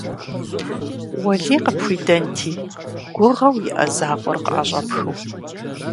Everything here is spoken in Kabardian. Уэлий къыпхуидэнти гугъэу иӀэ закъуэр къыӀэщӀэпхыу!